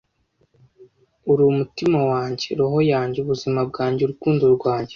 Uri umutima wanjye, roho yanjye, ubuzima bwanjye, urukundo rwanjye ...